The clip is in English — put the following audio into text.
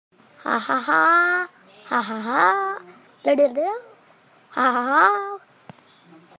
The ramp led up to the wide highway.